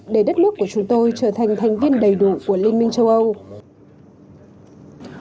để đất nước của chúng tôi trở thành thành viên đầy đủ của liên minh châu âu